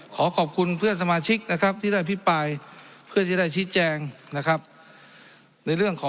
ขอขอบคุณเพื่อนสมาชิกที่ได้พิพายเพื่อนที่ได้ชิ้นแจง